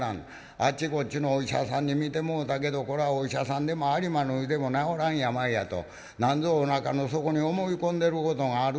あっちこっちのお医者さんに診てもろうたけど『こりゃお医者さんでも有馬の湯でも治らん病や』と『何ぞおなかの底に思い込んでることがある』